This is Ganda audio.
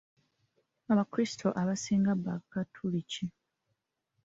Abakrisito abasinga bakatoliki.